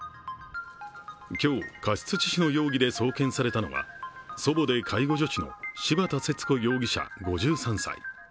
今日、過失致死の容疑で送検されたのは祖母で介護助手の柴田節子容疑者、５３歳。